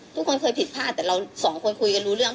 ทุกคนเคยผิดพลาดแต่เราสองคนคุยกันรู้เรื่อง